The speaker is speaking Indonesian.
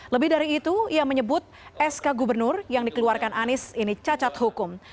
lebih dari itu ia menyebut sk gubernur yang dikeluarkan anies ini cacat hukum